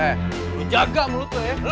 eh lu jaga mulut lo ya